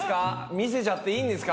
見せちゃっていいんですか？